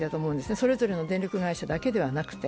それぞれの電力会社だけじゃなくて。